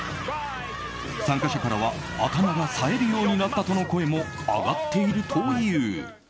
参加者からは頭がさえるようになったとの声も上がっているという。